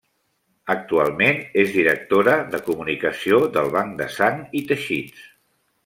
Actualment, és directora de comunicació del Banc de Sang i Teixits.